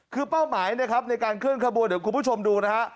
คือเป้าหมายนะครับในการเคลื่อนขบวนเดี๋ยวคุณผู้ชมดูนะฮะ